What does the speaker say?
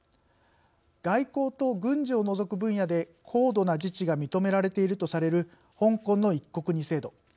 外交と軍事を除く分野で高度な自治が認められているとされる香港の「一国二制度」。